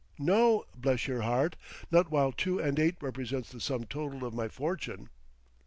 "No, bless your heart! not while two and eight represents the sum total of my fortune."